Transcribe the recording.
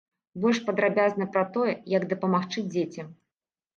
Больш падрабязна пра тое, як дапамагчы дзецям.